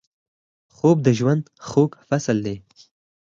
خوب د ژوند خوږ فصل دی